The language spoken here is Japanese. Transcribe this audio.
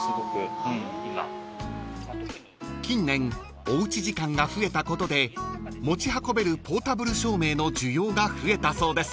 ［近年おうち時間が増えたことで持ち運べるポータブル照明の需要が増えたそうです］